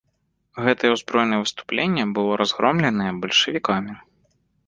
Гэтае ўзброенае выступленне было разгромленае бальшавікамі.